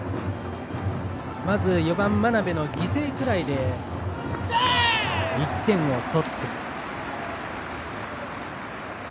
まず４番、真鍋の犠牲フライで１点を取って。